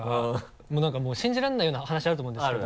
もう何かもう信じられないような話あると思うんですけど。